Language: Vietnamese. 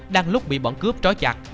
đang lúc bị bọn cướp trói chặt